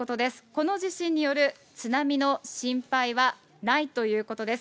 この地震による津波の心配はないということです。